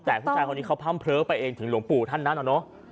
แต่ผู้ชายคนนี้เขาพร่ำเพล้อไปเองถึงหลวงปู่ท่านนั้นอะเนาะ